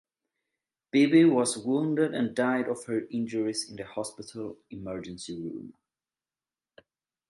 Bibi was wounded and died of her injuries in the hospital emergency room.